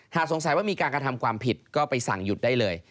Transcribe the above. สงสัยว่ามีการกระทำความผิดก็ไปสั่งหยุดได้เลย